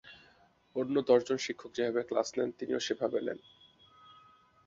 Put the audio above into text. অন্য দশজন শিক্ষক যেভাবে ক্লাস নেন তিনিও সেভাবেই নেন।